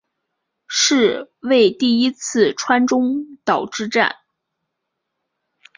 是为第一次川中岛之战。